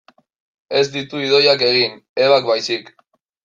Ez ditu Idoiak egin, Ebak baizik.